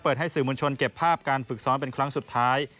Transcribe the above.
ให้สื่อมวลชนเก็บภาพการฝึกซ้อมเป็นครั้งสุดท้าย